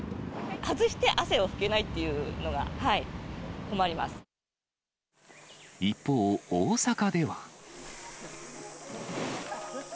外して汗を拭けないというのが困一方、大阪では。